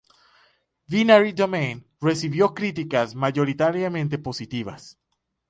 Binary Domain recibió críticas mayoritariamente positivas.